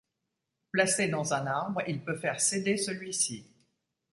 Placé dans un arbre, il peut faire céder celui-ci.